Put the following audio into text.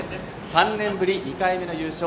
３年ぶり２回目の優勝